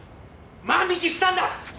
万引きしたんだ！